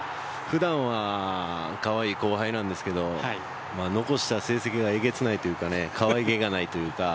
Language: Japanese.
普段はカワイイ後輩なんですが残した成績がえげつないというかかわいげがないというか。